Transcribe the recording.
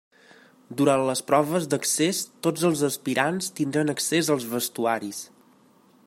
Durant les proves d'accés tots els aspirants tindran accés als vestuaris.